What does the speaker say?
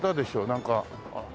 なんか。